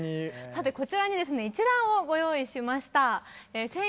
さてこちらにですね一覧をご用意しました。